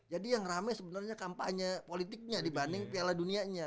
jadi yang rame sebenarnya kampanye politiknya dibanding piala dunianya